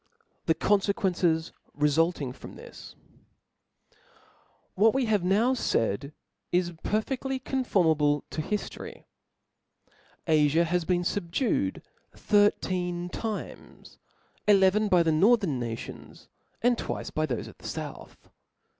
7/ie Confeqtiences rejulttng from this. \JiT H A T we have now faid is peHeiftly con^ ^^ formablc to hlftory. Afia has been fob dued thirteen times ; eleven by the northern nations, and twice by thofe of the fouth.